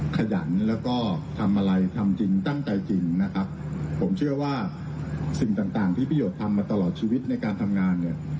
ขยันแล้วก็ทำอะไรทำจริงตั้งใจจริงนะครับผมเชื่อว่าสิ่งต่างต่างที่พี่โยชนทำมาตลอดชีวิตในการทำงานเนี่ย